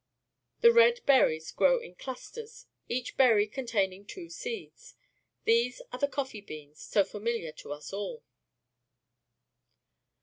The red berries grow in clusters, each berry contaming two seeds. These are the coffee beans, so familiar to us all.